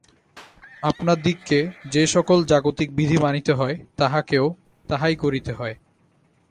আপনাদিগকে যে-সকল জাগতিক বিধি মানিতে হয়, তাঁহাকেও তাহাই করিতে হয়।